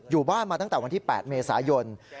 อยู่บ้านมาตั้งแต่วันที่๘เมษายน